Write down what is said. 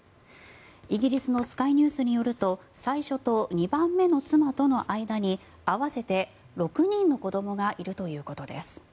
イギリスのスカイニュースによると最初と２番目の妻との間に合わせて６人の子どもがいるということです。